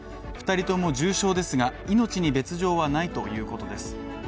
２人とも重傷ですが、命に別状はないということです。